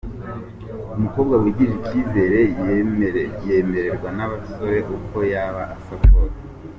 Umukobwa wigirira icyizere yemerwa nabasore uko yaba asa kose.